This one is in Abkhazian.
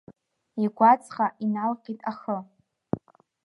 Игәаҵӷа иналҟьеит ахы.